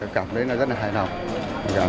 cảm thấy rất là hài lòng